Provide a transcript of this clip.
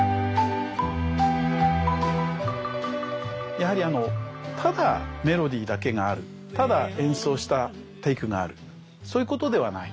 やはりただメロディーだけがあるただ演奏したテイクがあるそういうことではない。